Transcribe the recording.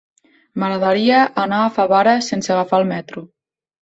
M'agradaria anar a Favara sense agafar el metro.